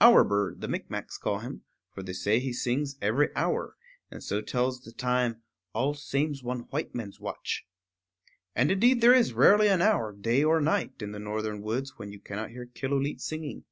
"Hour Bird" the Micmacs call him; for they say he sings every hour, and so tells the time, "all same's one white man's watch." And indeed there is rarely an hour, day or night, in the northern woods when you cannot hear Killooleet singing.